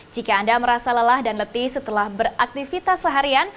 jika anda merasa lelah dan letih setelah beraktivitas seharian